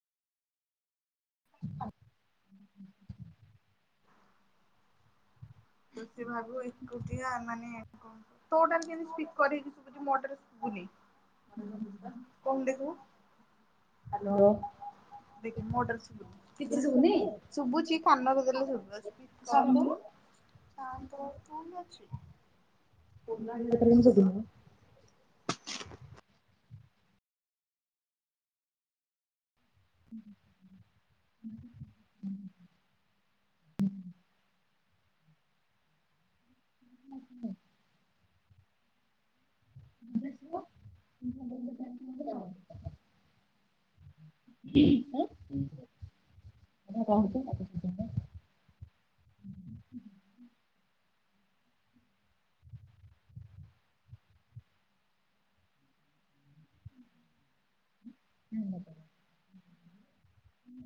ଜୋତି ଭାବିବ ଏକୁଟିଆ ମାନେ ତୋ ଟାରେ କେମିତି ସ୍ପିକର ହେଇକି ଶୁବୁଚି ମୋଟାରେ ଶୁବୁନି। କହୁନୁ ଦେଖିବୁ। ହାଲୋ। ଦେଖ ମୋଟାରେ ସୁବୁ କିଛି କେତେ ଶୁବୁନି? ସମୟ? ଶୁବୁଚି କାନରେ ଦେଲେ ଶୁବିବ ସମୟ [unintelligible] ତା ତ କମ୍ ଅଛି କେଜାଣି କାଇଁ ଶୁବୁନି [unintelligible] ହୁଁ ହୁଁ। ଉହୁଁ। [inaudible] କି ଆଁ [unintelligible] ଉନ୍ନତର